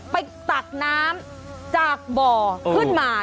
ตักน้ำจากบ่อขึ้นมา